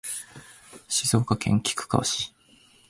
静岡県菊川市